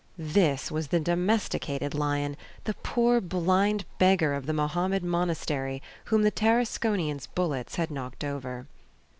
This was the domesticated lion, the poor blind beggar of the Mohammed Monastery, whom the Tarasconian's bullets had knocked over.